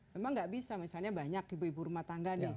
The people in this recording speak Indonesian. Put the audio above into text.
memang tidak bisa misalnya banyak ibu ibu rumah tangga